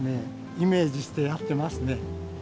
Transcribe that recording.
イメージしてやってますね。